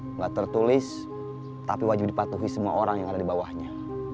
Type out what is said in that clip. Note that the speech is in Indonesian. tidak tertulis tapi wajib dipatuhi semua orang yang ada di bawahnya